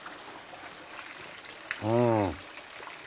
うん。